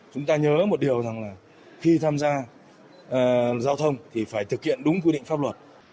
chúng ta nhớ một điều rằng là khi tham gia giao thông thì phải thực hiện đúng quy định pháp luật